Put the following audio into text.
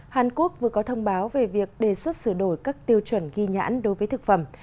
hàn quốc vừa có thông báo về việc đề xuất sửa đổi các tiêu chuẩn ghi nhãn đối với thực phẩm